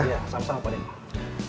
iya sama sama pak ya